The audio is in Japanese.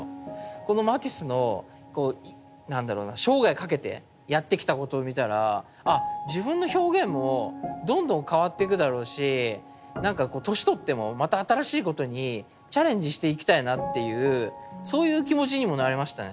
このマティスのこう何だろうな生涯かけてやってきたことを見たらあ自分の表現もどんどん変わっていくだろうしなんかこう年取ってもまた新しいことにチャレンジしていきたいなっていうそういう気持ちにもなれましたね。